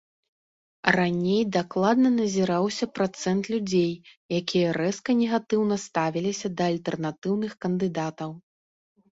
Раней дакладна назіраўся працэнт людзей, якія рэзка негатыўна ставіліся да альтэрнатыўных кандыдатаў.